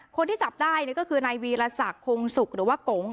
คนที่จับได้นี่ก็คือในวีรสักคงสุกหรือว่าโก๋ง